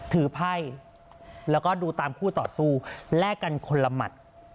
ไพ่แล้วก็ดูตามคู่ต่อสู้แลกกันคนละหมัด